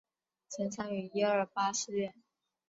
曾参与一二八事变。